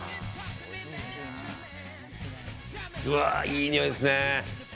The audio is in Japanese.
いいにおいですね。